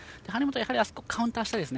やはり、あそこはカウンターしたいですね